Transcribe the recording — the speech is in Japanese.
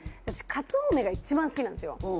私かつお梅が一番好きなんですよ。